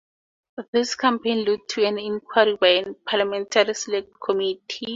This campaign led to an inquiry by a Parliamentary Select Committee.